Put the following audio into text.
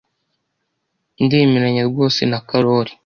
Ndemeranya rwose na Karoli.